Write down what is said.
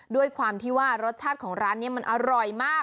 ด้วยความที่ว่ารสชาติของร้านนี้มันอร่อยมาก